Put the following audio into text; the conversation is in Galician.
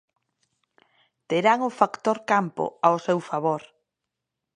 Terán o factor campo ao seu favor.